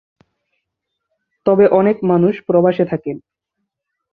তবে অনেক মানুষ প্রবাসে থাকেন।